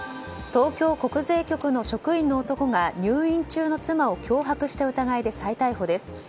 東京国税局の職員の男が入院中の妻を脅迫した疑いで再逮捕です。